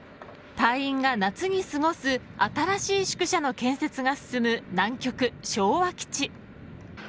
隊員が夏に過ごす新しい宿舎の建設が進む南極昭和基地。